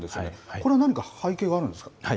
これは何か背景があるんですか。